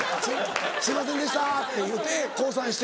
すいませんでした」って言うて降参して。